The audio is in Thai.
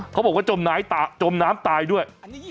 เขาบอกว่าจมน้ำตายด้วย